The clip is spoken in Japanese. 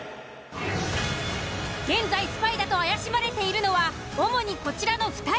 現在スパイだと怪しまれているのは主にこちらの２人。